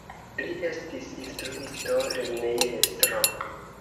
Li estis instruisto, lernejestro.